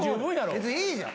別にいいじゃん。